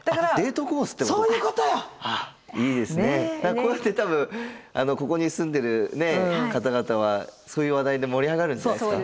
こうやって多分ここに住んでる方々はそういう話題で盛り上がるんじゃないですか。